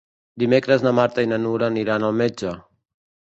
Dimecres na Marta i na Nura aniran al metge.